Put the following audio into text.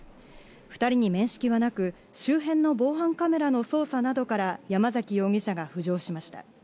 ２人に面識はなく、周辺の防犯カメラの捜査などから山崎容疑者が浮上しました。